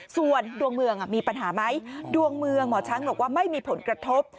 ส่วนดวงเมืองมีปัญหาไหมดวงเมืองหมอช้างบอกว่าไม่มีผลกระทบ